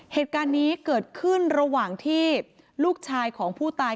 เหตุการณ์นี้เกิดขึ้นระหว่างที่ลูกชายของผู้ตาย